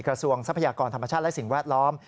ทรัพยากรธรรมชาติและสิ่งแวดล้อม